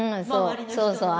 そうそう。